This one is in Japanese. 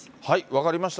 分かりました。